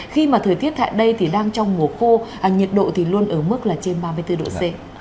khi mà thời tiết tại đây thì đang trong mùa khô nhiệt độ thì luôn ở mức là trên ba mươi bốn độ c